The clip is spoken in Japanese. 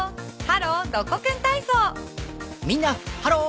みんなハロー！